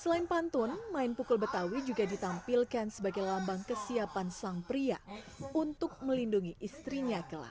selain pantun main pukul betawi juga ditampilkan sebagai lambang kesiapan sang pria untuk melindungi istrinya kela